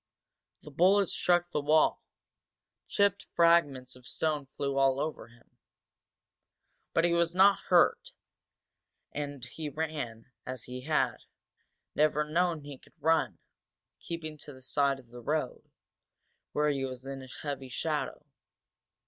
The bullet struck the wall, chipped fragments of stone flew all over him. But he was not hurt, and he ran as he had, never known he could run, keeping to the side of the road, where he was in a heavy shadow.